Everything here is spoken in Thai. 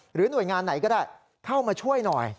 หน่วยงานไหนก็ได้เข้ามาช่วยหน่อย